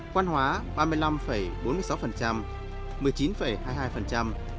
quan hóa ba mươi năm bốn mươi sáu và một mươi chín hai mươi hai